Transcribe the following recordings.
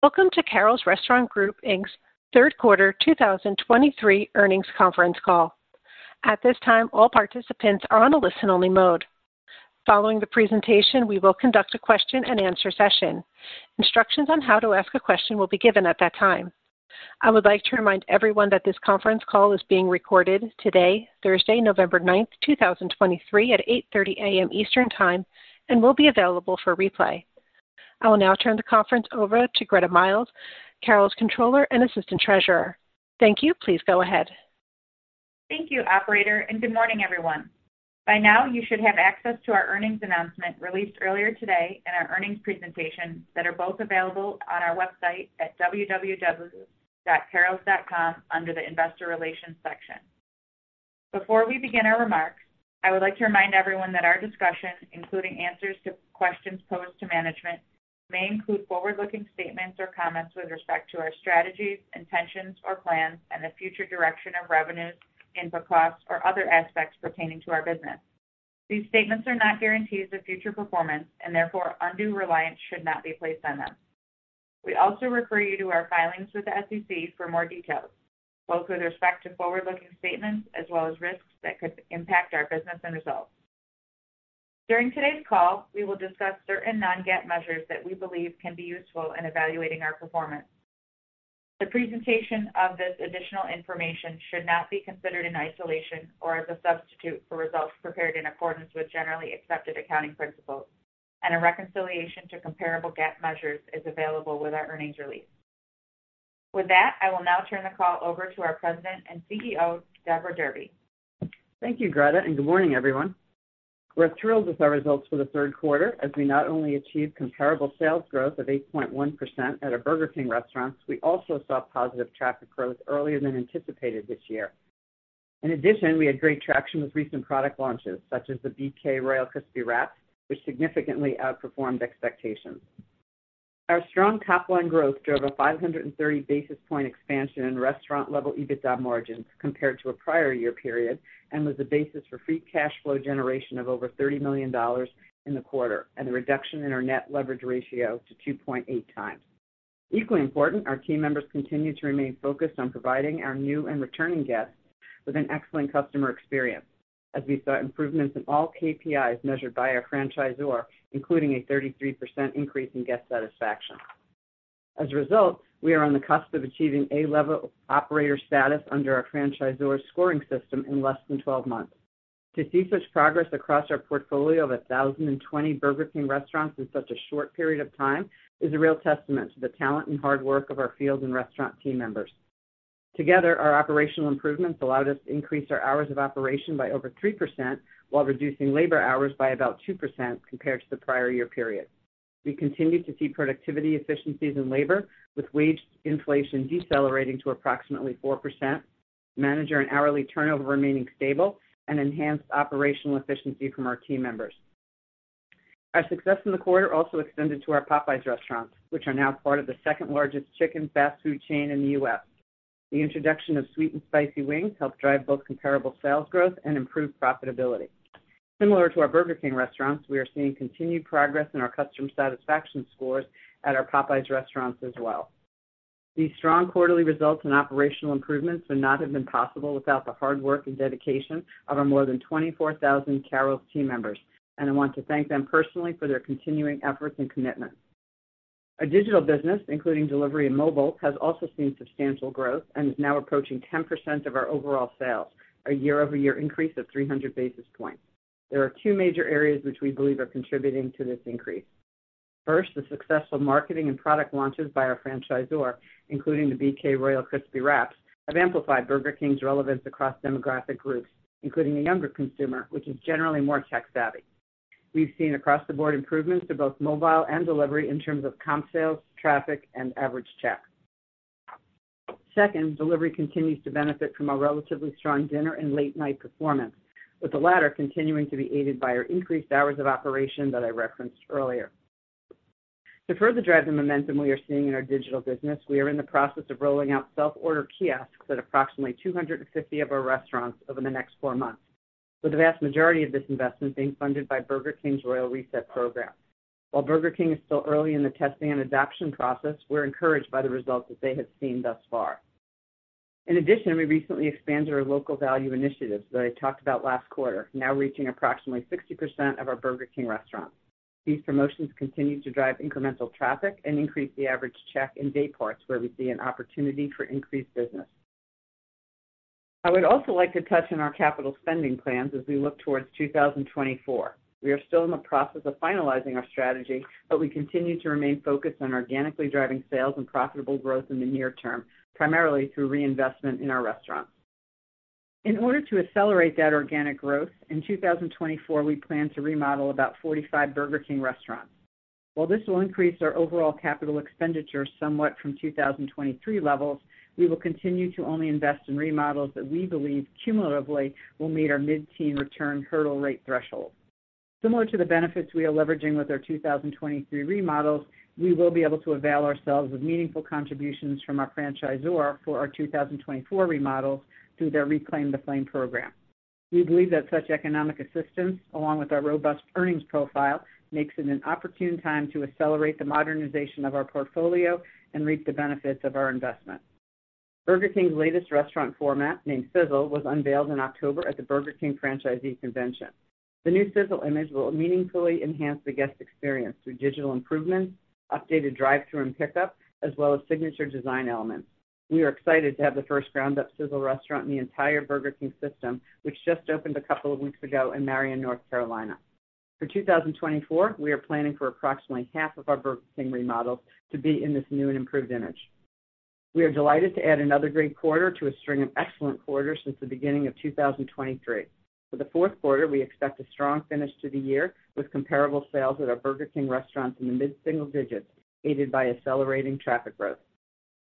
Welcome to Carrols Restaurant Group, Inc.'s Q3 2023 earnings conference call. At this time, all participants are on a listen-only mode. Following the presentation, we will conduct a question-and-answer session. Instructions on how to ask a question will be given at that time. I would like to remind everyone that this conference call is being recorded today, Thursday, November 9, 2023, at 8:30 A.M. Eastern Time, and will be available for replay. I will now turn the conference over to Gretta Miles, Carrols' Controller and Assistant Treasurer. Thank you. Please go ahead. Thank you, Operator, and good morning, everyone. By now, you should have access to our earnings announcement released earlier today and our earnings presentation that are both available on our website at www.cke.com under the Investor Relations section. Before we begin our remarks, I would like to remind everyone that our discussion, including answers to questions posed to management, may include forward-looking statements or comments with respect to our strategies, intentions, or plans and the future direction of revenues, input costs, or other aspects pertaining to our business. These statements are not guarantees of future performance, and therefore undue reliance should not be placed on them. We also refer you to our filings with the SEC for more details, both with respect to forward-looking statements as well as risks that could impact our business and results. During today's call, we will discuss certain non-GAAP measures that we believe can be useful in evaluating our performance. The presentation of this additional information should not be considered in isolation or as a substitute for results prepared in accordance with generally accepted accounting principles, and a reconciliation to comparable GAAP measures is available with our earnings release. With that, I will now turn the call over to our President and CEO, Deborah Derby. Thank you, Gretta, and good morning, everyone. We're thrilled with our results for the Q3, as we not only achieved comparable sales growth of 8.1% at our Burger King restaurants, we also saw positive traffic growth earlier than anticipated this year. In addition, we had great traction with recent product launches, such as the BK Royal Crispy Wrap, which significantly outperformed expectations. Our strong top-line growth drove a 530 basis points expansion in restaurant-level EBITDA margins compared to a prior year period, and was the basis for free cash flow generation of over $30 million in the quarter and a reduction in our net leverage ratio to 2.8x. Equally important, our team members continue to remain focused on providing our new and returning guests with an excellent customer experience, as we saw improvements in all KPIs measured by our franchisor, including a 33% increase in guest satisfaction. As a result, we are on the cusp of achieving A-level operator status under our franchisor's scoring system in less than 12 months. To see such progress across our portfolio of 1,020 Burger King restaurants in such a short period of time is a real testament to the talent and hard work of our field and restaurant team members. Together, our operational improvements allowed us to increase our hours of operation by over 3%, while reducing labor hours by about 2% compared to the prior year period. We continue to see productivity efficiencies in labor, with wage inflation decelerating to approximately 4%, manager and hourly turnover remaining stable, and enhanced operational efficiency from our team members. Our success in the quarter also extended to our Popeyes restaurants, which are now part of the second-largest chicken fast food chain in the U.S. The introduction of sweet and spicy wings helped drive both comparable sales growth and improved profitability. Similar to our Burger King restaurants, we are seeing continued progress in our customer satisfaction scores at our Popeyes restaurants as well. These strong quarterly results and operational improvements would not have been possible without the hard work and dedication of our more than 24,000 CKE team members, and I want to thank them personally for their continuing efforts and commitment. Our digital business, including delivery and mobile, has also seen substantial growth and is now approaching 10% of our overall sales, a year-over-year increase of 300 basis points. There are two major areas which we believe are contributing to this increase. First, the successful marketing and product launches by our franchisor, including the BK Royal Crispy Wraps, have amplified Burger King's relevance across demographic groups, including the younger consumer, which is generally more tech-savvy. We've seen across-the-board improvements to both mobile and delivery in terms of comp sales, traffic, and average check. Second, delivery continues to benefit from a relatively strong dinner and late-night performance, with the latter continuing to be aided by our increased hours of operation that I referenced earlier. To further drive the momentum we are seeing in our digital business, we are in the process of rolling out self-order kiosks at approximately 250 of our restaurants over the next four months, with the vast majority of this investment being funded by Burger King's Royal Reset program. While Burger King is still early in the testing and adoption process, we're encouraged by the results that they have seen thus far. In addition, we recently expanded our local value initiatives that I talked about last quarter, now reaching approximately 60% of our Burger King restaurants. These promotions continue to drive incremental traffic and increase the average check in day parts where we see an opportunity for increased business. I would also like to touch on our capital spending plans as we look towards 2024. We are still in the process of finalizing our strategy, but we continue to remain focused on organically driving sales and profitable growth in the near term, primarily through reinvestment in our restaurants. In order to accelerate that organic growth, in 2024, we plan to remodel about 45 Burger King restaurants. While this will increase our overall capital expenditure somewhat from 2023 levels, we will continue to only invest in remodels that we believe cumulatively will meet our mid-teen return hurdle rate threshold. Similar to the benefits we are leveraging with our 2023 remodels, we will be able to avail ourselves with meaningful contributions from our franchisor for our 2024 remodels through their Reclaim the Flame program. We believe that such economic assistance, along with our robust earnings profile, makes it an opportune time to accelerate the modernization of our portfolio and reap the benefits of our investment. Burger King's latest restaurant format, named Sizzle, was unveiled in October at the Burger King Franchisee Convention. The new Sizzle image will meaningfully enhance the guest experience through digital improvements, updated drive-thru and pickup, as well as signature design elements. We are excited to have the first ground-up Sizzle restaurant in the entire Burger King system, which just opened a couple of weeks ago in Marion, North Carolina. For 2024, we are planning for approximately half of our Burger King remodels to be in this new and improved image. We are delighted to add another great quarter to a string of excellent quarters since the beginning of 2023. For the Q4, we expect a strong finish to the year, with comparable sales at our Burger King restaurants in the mid-single digits, aided by accelerating traffic growth.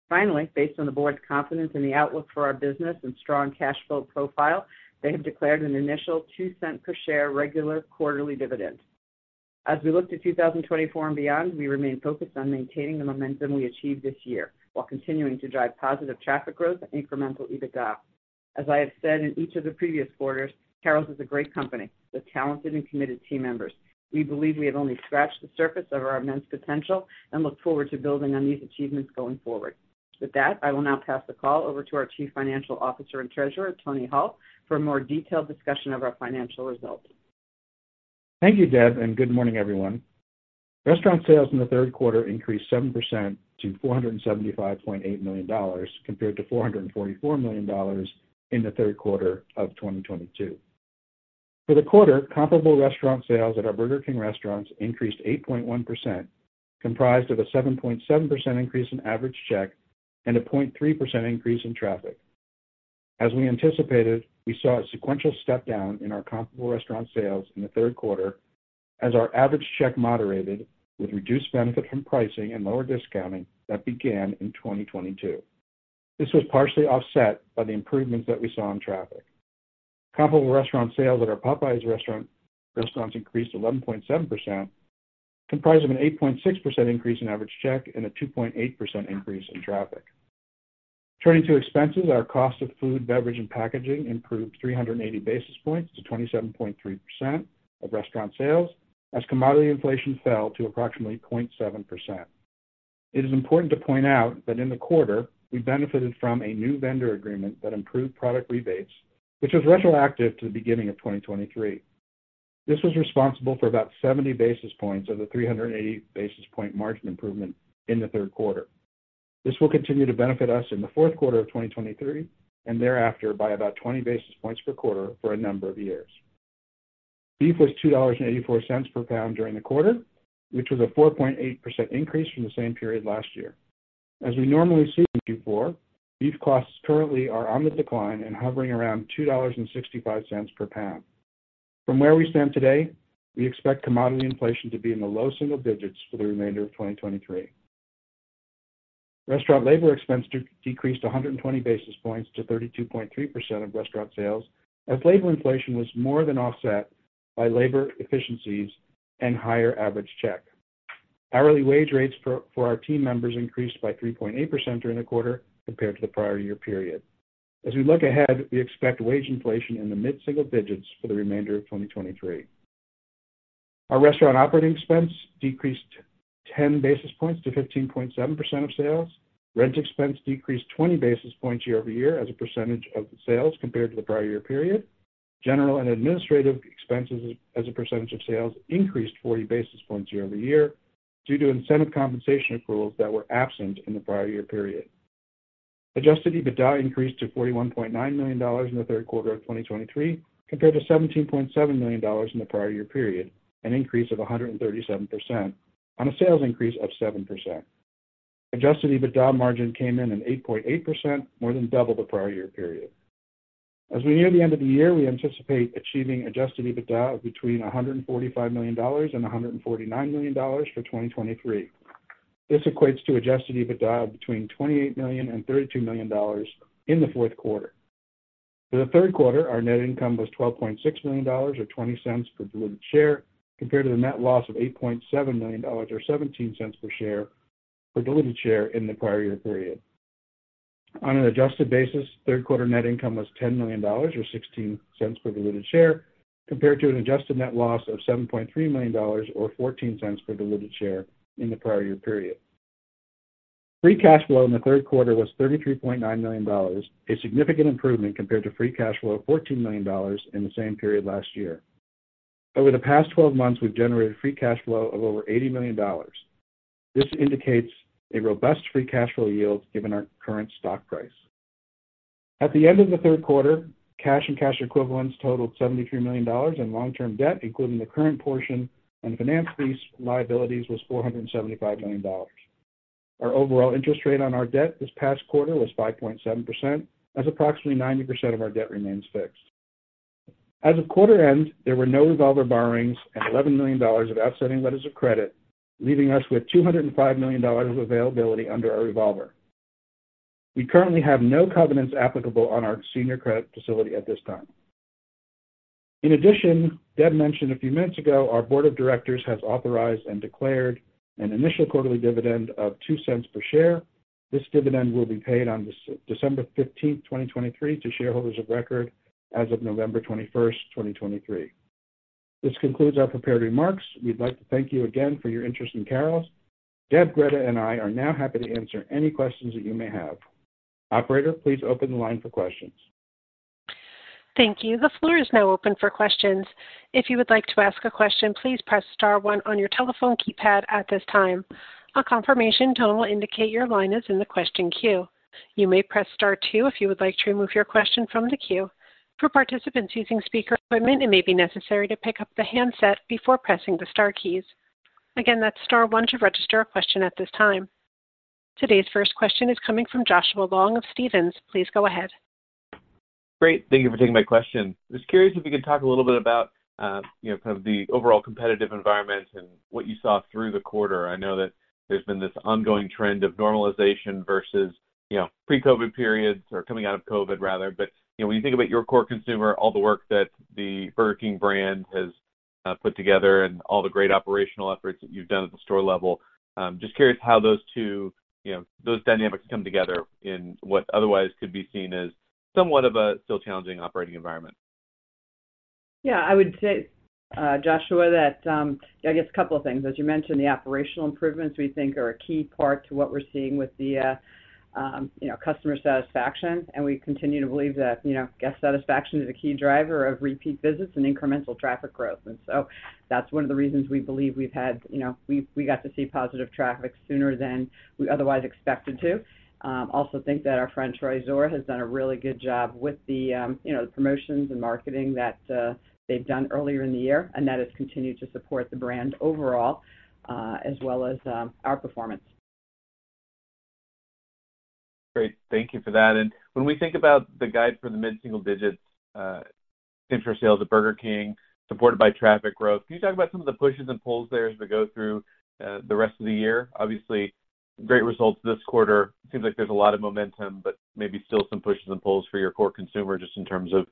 Finally, based on the board's confidence in the outlook for our business and strong cash flow profile, they have declared an initial $0.02 per share regular quarterly dividend. As we look to 2024 and beyond, we remain focused on maintaining the momentum we achieved this year, while continuing to drive positive traffic growth and incremental EBITDA. As I have said in each of the previous quarters, Carrols is a great company with talented and committed team members. We believe we have only scratched the surface of our immense potential and look forward to building on these achievements going forward. With that, I will now pass the call over to our Chief Financial Officer and Treasurer, Tony Hull, for a more detailed discussion of our financial results. Thank you, Deb, and good morning, everyone. Restaurant sales in the Q3 increased 7% to $475.8 million, compared to $444 million in the Q3 of 2022. For the quarter, comparable restaurant sales at our Burger King restaurants increased 8.1%, comprised of a 7.7% increase in average check and a 0.3% increase in traffic. As we anticipated, we saw a sequential step down in our comparable restaurant sales in the Q3 as our average check moderated, with reduced benefit from pricing and lower discounting that began in 2022. This was partially offset by the improvements that we saw in traffic. Comparable restaurant sales at our Popeyes restaurants increased 11.7%, comprised of an 8.6% increase in average check and a 2.8% increase in traffic. Turning to expenses, our cost of food, beverage, and packaging improved 380 basis points to 27.3% of restaurant sales, as commodity inflation fell to approximately 0.7%. It is important to point out that in the quarter, we benefited from a new vendor agreement that improved product rebates, which was retroactive to the beginning of 2023. This was responsible for about 70 basis points of the 380 basis point margin improvement in the Q3. This will continue to benefit us in the fourth quarter of 2023 and thereafter by about 20 basis points per quarter for a number of years. Beef was $2.84 per pound during the quarter, which was a 4.8% increase from the same period last year. As we normally see in Q4, beef costs currently are on the decline and hovering around $2.65 per pound. From where we stand today, we expect commodity inflation to be in the low single digits for the remainder of 2023. Restaurant labor expense decreased 120 basis points to 32.3% of restaurant sales, as labor inflation was more than offset by labor efficiencies and higher average check. Hourly wage rates for our team members increased by 3.8% during the quarter compared to the prior year period. As we look ahead, we expect wage inflation in the mid-single digits for the remainder of 2023. Our restaurant operating expense decreased 10 basis points to 15.7% of sales. Rent expense decreased 20 basis points year over year as a percentage of the sales compared to the prior year period. General and administrative expenses as a percentage of sales increased 40 basis points year over year due to incentive compensation accruals that were absent in the prior year period. Adjusted EBITDA increased to $41.9 million in the Q3 of 2023, compared to $17.7 million in the prior year period, an increase of 137% on a sales increase of 7%. Adjusted EBITDA margin came in at 8.8%, more than double the prior year period. As we near the end of the year, we anticipate achieving Adjusted EBITDA of between $145 million and $149 million for 2023. This equates to adjusted EBITDA of between $28 million and $32 million in the Q4. For the Q3, our net income was $12.6 million, or $0.20 cents per diluted share, compared to the net loss of $8.7 million, or $0.17 cents per share, per diluted share in the prior year period. On an adjusted basis, Q3 net income was $10 million, or $0.16 cents per diluted share, compared to an adjusted net loss of $7.3 million, or $0.14 cents per diluted share in the prior year period. Free cash flow in the third quarter was $33.9 million, a significant improvement compared to free cash flow of $14 million in the same period last year. Over the past 12 months, we've generated free cash flow of over $80 million. This indicates a robust free cash flow yield given our current stock price. At the end of the Q3, cash and cash equivalents totaled $73 million, and long-term debt, including the current portion and finance lease liabilities, was $475 million. Our overall interest rate on our debt this past quarter was 5.7%, as approximately 90% of our debt remains fixed. As of quarter end, there were no revolver borrowings and $11 million of outstanding letters of credit, leaving us with $205 million of availability under our revolver. We currently have no covenants applicable on our senior credit facility at this time. In addition, Deb mentioned a few minutes ago, our board of directors has authorized and declared an initial quarterly dividend of $0.02 per share. This dividend will be paid on December fifteenth, 2023, to shareholders of record as of November 21, 2023. This concludes our prepared remarks. We'd like to thank you again for your interest in Carrols. Deb, Greta, and I are now happy to answer any questions that you may have. Operator, please open the line for questions. Thank you. The floor is now open for questions. If you would like to ask a question, please press star one on your telephone keypad at this time. A confirmation tone will indicate your line is in the question queue. You may press star two if you would like to remove your question from the queue. For participants using speaker equipment, it may be necessary to pick up the handset before pressing the star keys. Again, that's star one to register a question at this time. Today's first question is coming from Joshua Long of Stephens. Please go ahead. Great. Thank you for taking my question. I was curious if you could talk a little bit about, you know, kind of the overall competitive environment and what you saw through the quarter. I know that there's been this ongoing trend of normalization versus, you know, pre-COVID periods or coming out of COVID, rather. But, you know, when you think about your core consumer, all the work that the Burger King brand has put together and all the great operational efforts that you've done at the store level, just curious how those two, you know, those dynamics come together in what otherwise could be seen as somewhat of a still challenging operating environment. Yeah, I would say, Joshua, that, I guess a couple of things. As you mentioned, the operational improvements we think are a key part to what we're seeing with the, you know, customer satisfaction, and we continue to believe that, you know, guest satisfaction is a key driver of repeat visits and incremental traffic growth. And so that's one of the reasons we believe we've had, you know, we got to see positive traffic sooner than we otherwise expected to. Also think that our franchisor has done a really good job with the, you know, the promotions and marketing that, they've done earlier in the year, and that has continued to support the brand overall, as well as, our performance. Great. Thank you for that. When we think about the guide for the mid-single digits same for sales at Burger King, supported by traffic growth, can you talk about some of the pushes and pulls there as we go through the rest of the year? Obviously, great results this quarter. Seems like there's a lot of momentum, but maybe still some pushes and pulls for your core consumer, just in terms of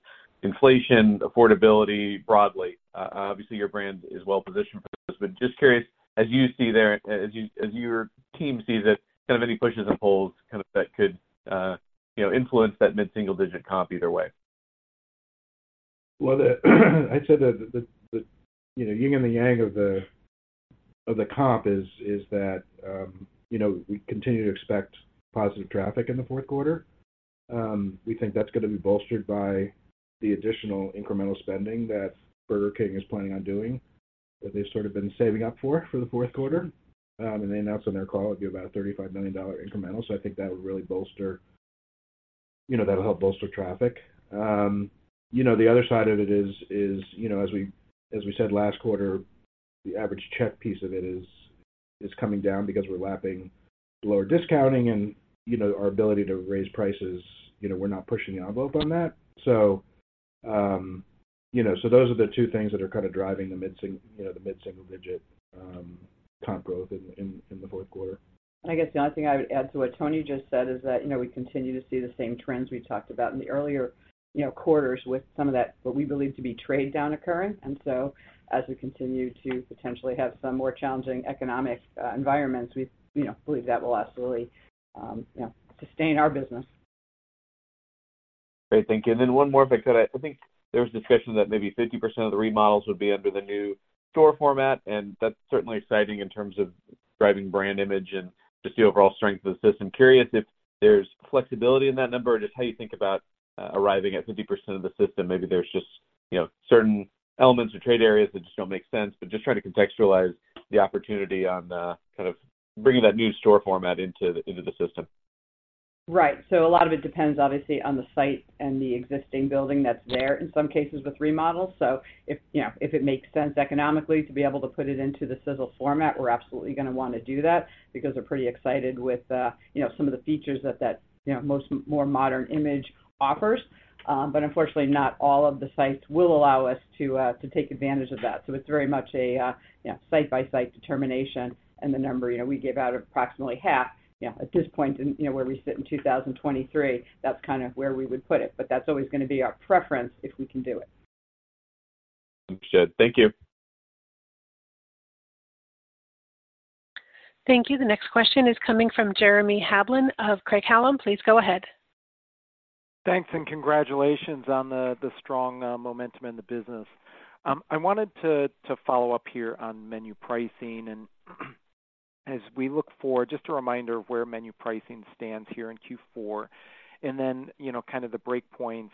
inflation, affordability, broadly. Obviously, your brand is well positioned for this, but just curious, as you see there, as your team sees it, kind of any pushes and pulls, kind of, that could, you know, influence that mid-single-digit comp either way. Well, I'd say that, you know, the yin and the yang of the comp is that, you know, we continue to expect positive traffic in the Q4. We think that's gonna be bolstered by the additional incremental spending that Burger King is planning on doing, that they've sort of been saving up for the Q4. And they announced on their call it'd be about a $35 million incremental, so I think that would really bolster... You know, that'll help bolster traffic. You know, the other side of it is, you know, as we said last quarter, the average check piece of it is coming down because we're lapping lower discounting and, you know, our ability to raise prices, you know, we're not pushing the envelope on that. You know, so those are the two things that are kind of driving the mid-single digit, you know, the mid-single digit comps growth in theQ4. I guess the only thing I would add to what Tony just said is that, you know, we continue to see the same trends we talked about in the earlier, you know, quarters with some of that, what we believe to be trade down occurring. And so as we continue to potentially have some more challenging economic environments, we, you know, believe that will absolutely sustain our business. Great. Thank you. And then one more, because I think there was discussion that maybe 50% of the remodels would be under the new store format, and that's certainly exciting in terms of driving brand image and just the overall strength of the system. Curious if there's flexibility in that number or just how you think about arriving at 50% of the system. Maybe there's just, you know, certain elements or trade areas that just don't make sense, but just trying to contextualize the opportunity on kind of bringing that new store format into the system. Right. So a lot of it depends, obviously, on the site and the existing building that's there, in some cases, with remodels. So if, you know, if it makes sense economically to be able to put it into the Sizzle format, we're absolutely gonna wanna do that because we're pretty excited with, you know, some of the features that you know, most more modern image offers. But unfortunately, not all of the sites will allow us to take advantage of that. So it's very much a, you know, site-by-site determination and the number, you know, we give out approximately half. You know, at this point in, you know, where we sit in 2023, that's kind of where we would put it, but that's always gonna be our preference if we can do it. Understood. Thank you. Thank you. The next question is coming from Jeremy Hamblin of Craig-Hallum. Please go ahead. Thanks, and congratulations on the strong momentum in the business. I wanted to follow up here on menu pricing and as we look forward, just a reminder of where menu pricing stands here in Q4, and then, you know, kind of the breakpoints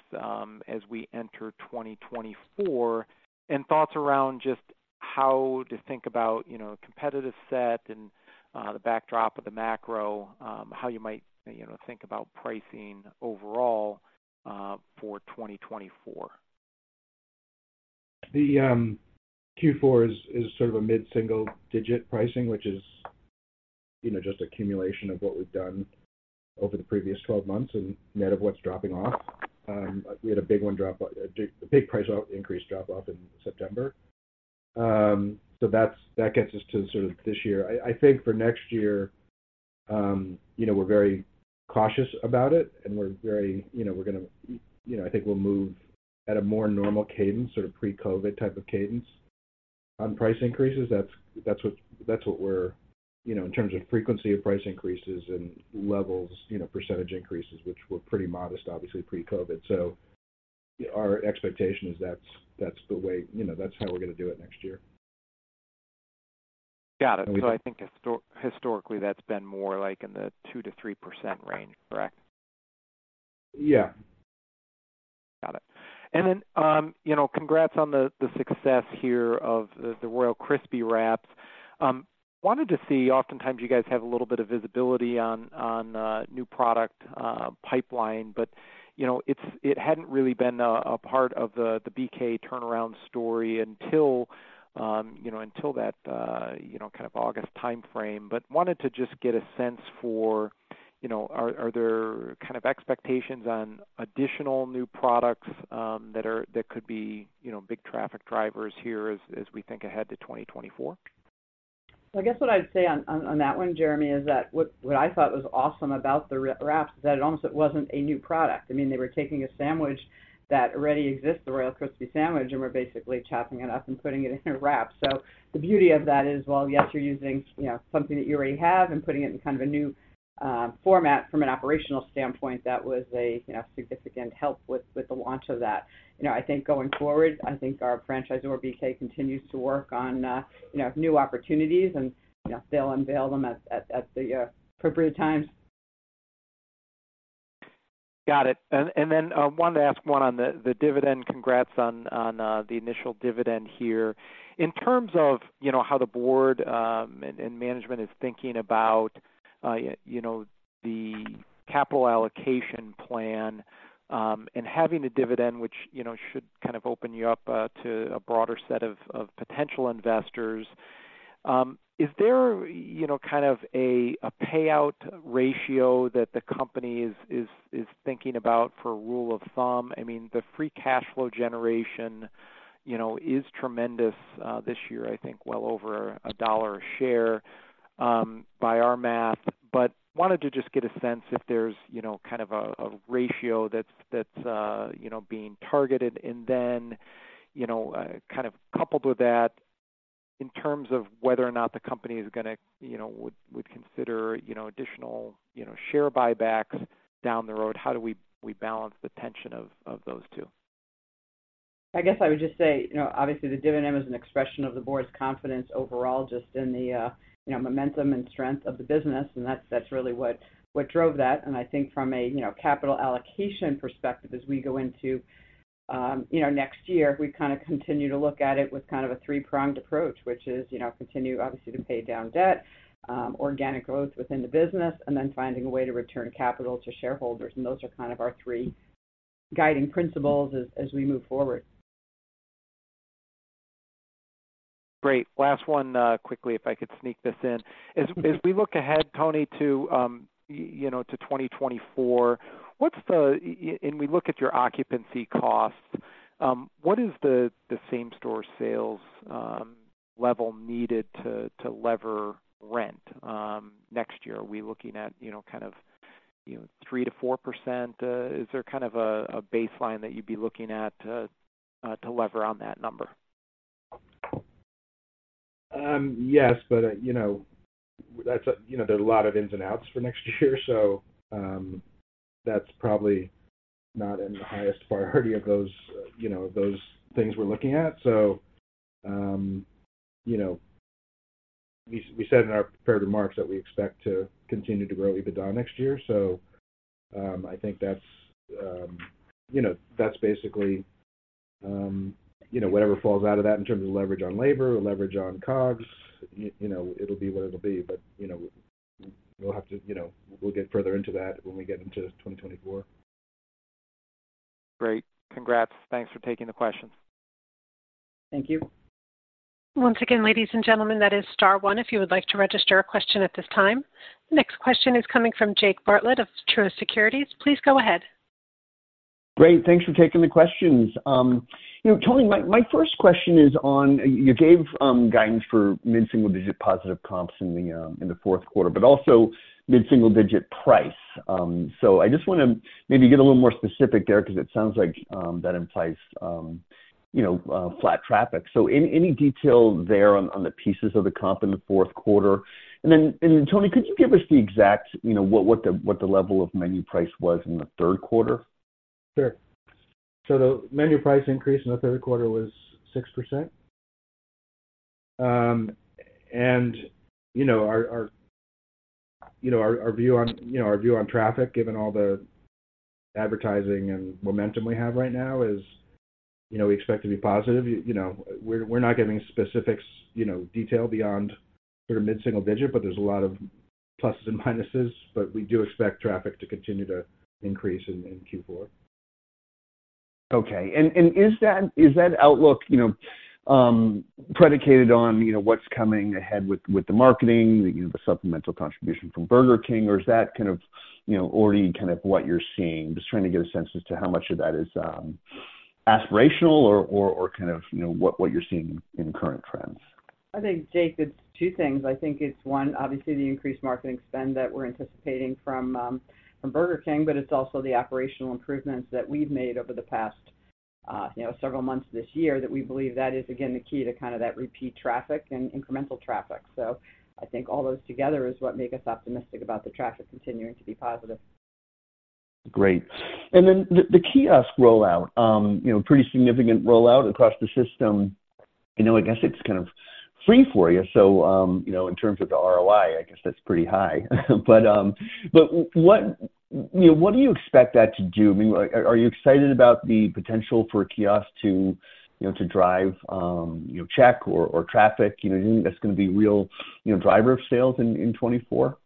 as we enter 2024, and thoughts around just how to think about, you know, competitive set and the backdrop of the macro, how you might, you know, think about pricing overall for 2024. The Q4 is sort of a mid-single digit pricing, which is, you know, just accumulation of what we've done over the previous 12 months and net of what's dropping off. We had a big one drop off, a big price increase drop off in September. So that's, that gets us to sort of this year. I think for next year. You know, we're very cautious about it, and we're very, you know, we're gonna, you know, I think we'll move at a more normal cadence, sort of pre-COVID type of cadence on price increases. That's, that's what, that's what we're, you know, in terms of frequency of price increases and levels, you know, percentage increases, which were pretty modest, obviously, pre-COVID. So our expectation is that's, that's the way, you know, that's how we're gonna do it next year. Got it. So I think historically, that's been more like in the 2%-3% range, correct? Yeah. Got it. And then, you know, congrats on the success here of the Royal Crispy Wraps. Wanted to see, oftentimes you guys have a little bit of visibility on new product pipeline, but, you know, it hadn't really been a part of the BK turnaround story until, you know, until that, you know, kind of August timeframe. But wanted to just get a sense for, you know, are there kind of expectations on additional new products, that are... That could be, you know, big traffic drivers here as we think ahead to 2024? So I guess what I'd say on that one, Jeremy, is that what I thought was awesome about the wraps is that it almost it wasn't a new product. I mean, they were taking a sandwich that already exists, the Royal Crispy Sandwich, and were basically chopping it up and putting it in a wrap. So the beauty of that is, while, yes, you're using, you know, something that you already have and putting it in kind of a new format from an operational standpoint, that was a, you know, significant help with the launch of that. You know, I think going forward, I think our franchisor, BK, continues to work on, you know, new opportunities, and, you know, they'll unveil them at the appropriate times. Got it. And then wanted to ask one on the dividend. Congrats on the initial dividend here. In terms of, you know, how the board and management is thinking about, you know, the capital allocation plan and having a dividend, which, you know, should kind of open you up to a broader set of potential investors, is there, you know, kind of a payout ratio that the company is thinking about as a rule of thumb? I mean, the free cash flow generation, you know, is tremendous this year, I think well over $1 a share, by our math. But wanted to just get a sense if there's, you know, kind of a ratio that's being targeted. Then, you know, kind of coupled with that, in terms of whether or not the company is gonna, you know, would consider, you know, additional, you know, share buybacks down the road, how do we balance the tension of those two? I guess I would just say, you know, obviously, the dividend is an expression of the board's confidence overall, just in the, you know, momentum and strength of the business, and that's really what drove that. I think from a, you know, capital allocation perspective, as we go into, you know, next year, we kind of continue to look at it with kind of a three-pronged approach, which is, you know, continue, obviously, to pay down debt, organic growth within the business, and then finding a way to return capital to shareholders. Those are kind of our three guiding principles as we move forward. Great. Last one, quickly, if I could sneak this in. Mm-hmm. As we look ahead, Tony, you know, to 2024, and we look at your occupancy costs, what is the same-store sales level needed to lever rent next year? Are we looking at, you know, kind of, 3%-4%? Is there kind of a baseline that you'd be looking at to lever on that number? Yes, but, you know, that's a, you know, there are a lot of ins and outs for next year. So, that's probably not in the highest priority of those, you know, those things we're looking at. So, you know, we, we said in our prepared remarks that we expect to continue to grow EBITDA next year, so, I think that's, you know, that's basically, you know, whatever falls out of that in terms of leverage on labor or leverage on COGS, you, you know, it'll be what it'll be. But, you know, we'll have to, you know, we'll get further into that when we get into 2024. Great. Congrats. Thanks for taking the questions. Thank you. Once again, ladies and gentlemen, that is star one if you would like to register a question at this time. Next question is coming from Jake Bartlett of Truist Securities. Please go ahead. Great, thanks for taking the questions. You know, Tony, my first question is on... You gave guidance for mid-single-digit positive comps in the Q4, but also mid-single-digit price. So I just wanna maybe get a little more specific there, 'cause it sounds like that implies you know flat traffic. So any detail there on the pieces of the comp in the Q4? And then, Tony, could you give us the exact you know what the level of menu price was in the Q3? Sure. So the menu price increase in the Q3 was 6%. And you know, our view on traffic, given all the advertising and momentum we have right now is, you know, we expect to be positive. You know, we're not giving specifics, you know, detail beyond sort of mid-single digit, but there's a lot of pluses and minuses. But we do expect traffic to continue to increase in Q4. Okay. And is that outlook, you know, predicated on, you know, what's coming ahead with the marketing, you know, the supplemental contribution from Burger King? Or is that kind of, you know, already kind of what you're seeing? Just trying to get a sense as to how much of that is aspirational or kind of, you know, what you're seeing in current trends? I think, Jake, it's two things. I think it's one, obviously, the increased marketing spend that we're anticipating from, from Burger King, but it's also the operational improvements that we've made over the past, you know, several months this year, that we believe that is again, the key to kind of that repeat traffic and incremental traffic. So I think all those together is what make us optimistic about the traffic continuing to be positive. Great. And then the kiosk rollout, you know, pretty significant rollout across the system. You know, I guess it's kind of free for you. So, you know, in terms of the ROI, I guess that's pretty high. But, but what, you know, what do you expect that to do? I mean, are you excited about the potential for kiosk to, you know, to drive, you know, check or, or traffic? You know, do you think that's going to be real, you know, driver of sales in 2024?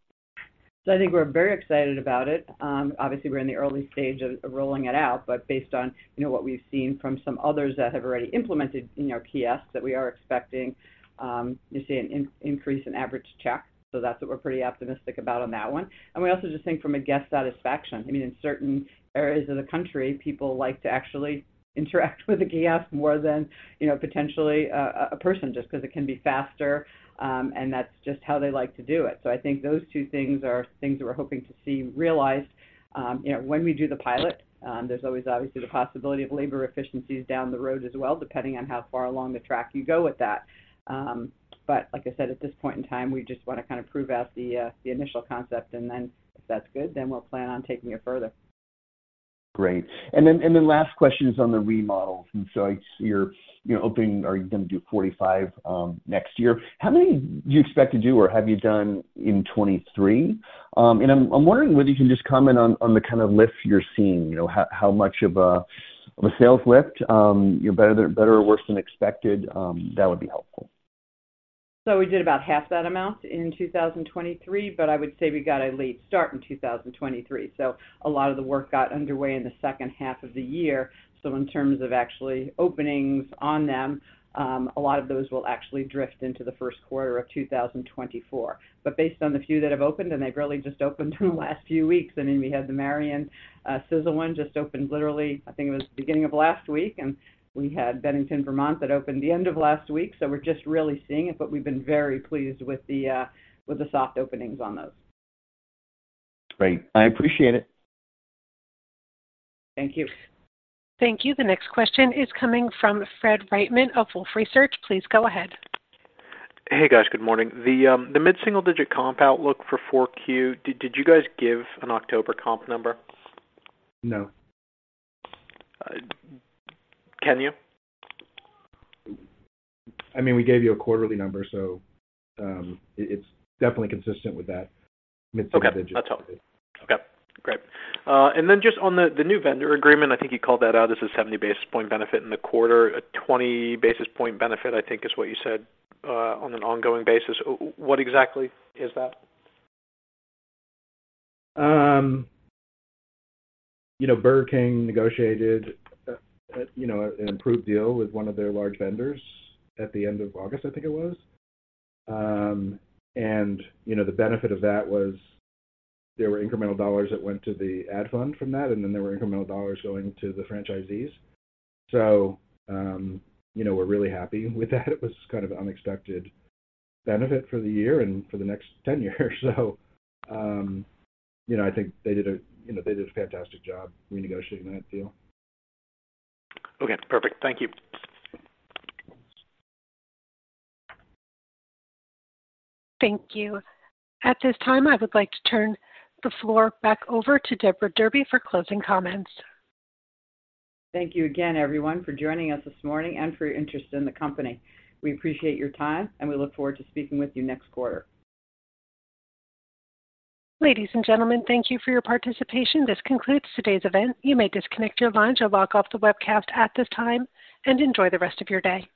So I think we're very excited about it. Obviously, we're in the early stage of rolling it out, but based on, you know, what we've seen from some others that have already implemented, you know, kiosks, that we are expecting to see an increase in average check. So that's what we're pretty optimistic about on that one. And we also just think from a guest satisfaction, I mean, in certain areas of the country, people like to actually interact with a kiosk more than, you know, potentially a person just because it can be faster, and that's just how they like to do it. So I think those two things are things that we're hoping to see realized. You know, when we do the pilot, there's always obviously the possibility of labor efficiencies down the road as well, depending on how far along the track you go with that. But like I said, at this point in time, we just want to kind of prove out the initial concept and then if that's good, then we'll plan on taking it further. Great. Then last question is on the remodels. So, you're opening or you're going to do 45 next year. How many do you expect to do or have you done in 2023? I'm wondering whether you can just comment on the kind of lift you're seeing. You know, how much of a sales lift, better or worse than expected? That would be helpful. So we did about half that amount in 2023, but I would say we got a late start in 2023, so a lot of the work got underway in the second half of the year. So in terms of actually openings on them, a lot of those will actually drift into the Q1 of 2024. But based on the few that have opened, and they've really just opened in the last few weeks, and then we had the Marion Sizzle one just opened literally, I think it was the beginning of last week, and we had Bennington, Vermont, that opened the end of last week. So we're just really seeing it, but we've been very pleased with the with the soft openings on those. Great. I appreciate it. Thank you. Thank you. The next question is coming from Fred Wightman of Wolfe Research. Please go ahead. Hey, guys. Good morning. The mid-single-digit comp outlook for 4Q, did you guys give an October comp number? No. Can you? I mean, we gave you a quarterly number, so it's definitely consistent with that mid-single digit. Okay. That's all. Okay, great. And then just on the new vendor agreement, I think you called that out. This is 70 basis point benefit in the quarter. A 20 basis point benefit, I think is what you said, on an ongoing basis. What exactly is that? You know, Burger King negotiated a, you know, an improved deal with one of their large vendors at the end of August, I think it was. You know, the benefit of that was there were incremental dollars that went to the ad fund from that, and then there were incremental dollars going to the franchisees. So, you know, we're really happy with that. It was kind of unexpected benefit for the year and for the next 10 years. So, you know, I think they did a, you know, they did a fantastic job renegotiating that deal. Okay, perfect. Thank you. Thank you. At this time, I would like to turn the floor back over to Deborah Derby for closing comments. Thank you again, everyone, for joining us this morning and for your interest in the company. We appreciate your time, and we look forward to speaking with you next quarter. Ladies and gentlemen, thank you for your participation. This concludes today's event. You may disconnect your lines or log off the webcast at this time, and enjoy the rest of your day.